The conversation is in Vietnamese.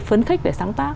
phấn khích để sáng tác